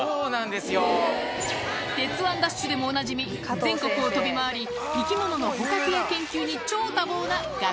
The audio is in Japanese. ＤＡＳＨ‼』でもおなじみ全国を飛び回り生き物の捕獲や研究に超多忙な学者さん